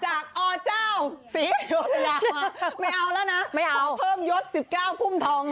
จากอเจ้าสีไม่เอาแล้วนะเพิ่มยด๑๙พุ่มทอง